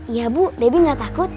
iya bu debbie gak takut